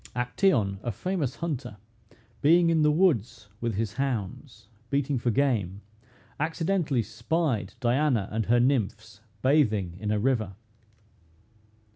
Actæon, a famous hunter, being in the woods with his hounds, beating for game, accidentally spied Diana and her nymphs bathing in a river.